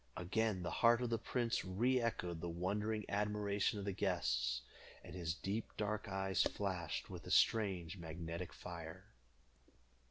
Again the heart of the prince re echoed the wondering admiration of the guests, and his deep dark eyes flashed with a strange magnetic fire.